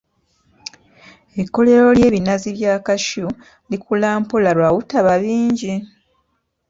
Ekkolero ly'ebinazi bya cashew likula mpola lwa butaba bingi.